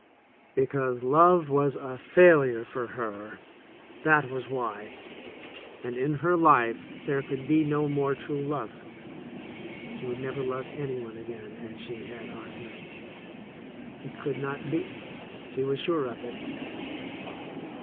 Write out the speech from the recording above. Because love was a failure for her — that was why —and in her life there could be no more true love. She would never love any one again as she had Arthur. It could not be, she was sure of it.